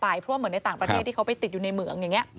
เพราะว่าเหมือนในต่างประเทศที่เขาไปติดอยู่ในเหมืองอย่างนี้